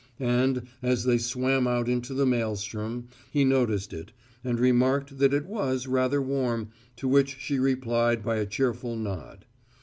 And, as they swam out into the maelstrom, he noticed it, and remarked that it was rather warm, to which she replied by a cheerful nod.